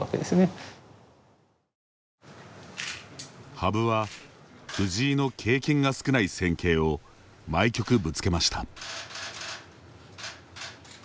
羽生は藤井の経験が少ない戦型を毎局ぶつけました。